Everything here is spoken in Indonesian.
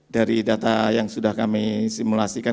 dari data yang sudah kami simulasikan